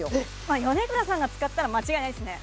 米倉さんが使ったら間違いないですね